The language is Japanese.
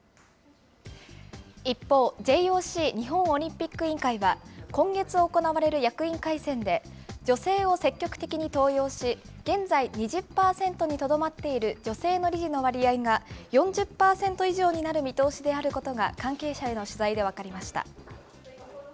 一方、ＪＯＣ・日本オリンピック委員会は今月行われる役員改選で、女性を積極的に登用し、現在２０％にとどまっている女性理事の割合が、４０％以上になる見通しであることが、関係者への取材で分かりました。